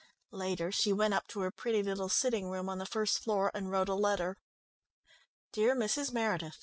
Later she went up to her pretty little sitting room on the first floor, and wrote a letter. "_Dear Mrs. Meredith.